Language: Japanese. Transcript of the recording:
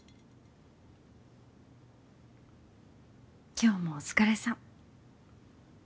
今日もお疲れさん。